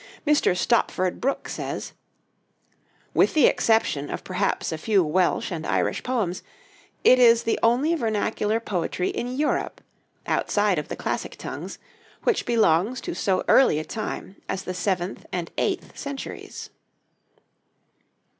Mr. Stopford Brooke says: "With the exception of perhaps a few Welsh and Irish poems, it is the only vernacular poetry in Europe, outside of the classic tongues, which belongs to so early a time as the seventh and eighth centuries."